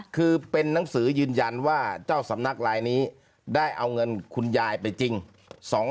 คือเป็นนังสือยืนยันว่าเจ้าสำนักลายนี้ได้เอาเงินคุณยายไปจริง